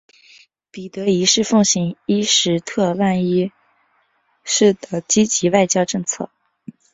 彼得一世奉行伊什特万一世的积极外交政策。